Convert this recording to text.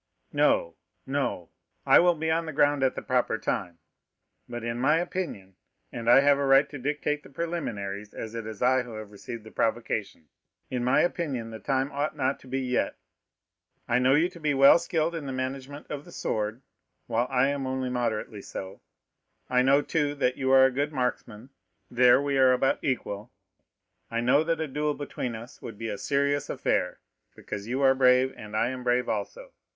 "No, no, I will be on the ground at the proper time; but in my opinion (and I have a right to dictate the preliminaries, as it is I who have received the provocation)—in my opinion the time ought not to be yet. I know you to be well skilled in the management of the sword, while I am only moderately so; I know, too, that you are a good marksman—there we are about equal. I know that a duel between us two would be a serious affair, because you are brave, and I am brave also.